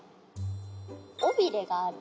おびれがある。